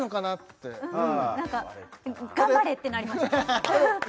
ってなんか頑張れってなりました